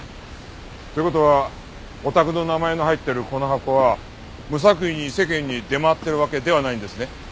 という事はお宅の名前の入ってるこの箱は無作為に世間に出回ってるわけではないんですね？